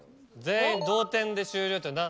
全員同点で終了って。